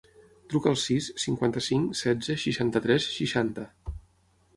Truca al sis, cinquanta-cinc, setze, seixanta-tres, seixanta.